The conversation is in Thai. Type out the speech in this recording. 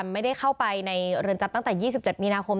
ไม่ได้เข้าไปในเรือนจำตั้งแต่๒๗มีนาคม